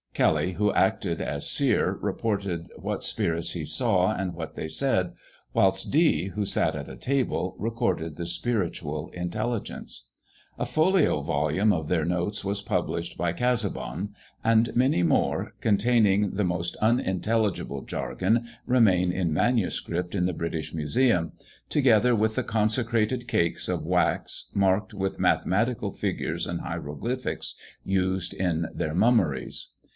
Kelly, who acted as seer, reported what spirits he saw, and what they said; whilst Dee, who sat at a table, recorded the spiritual intelligence. A folio volume of their notes was published by Casaubon; and many more, containing the most unintelligible jargon, remain in MS. in the British Museum, together with the consecrated cakes of wax, marked with mathematical figures and hieroglyphics, used in their mummeries.